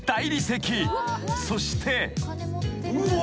［そして］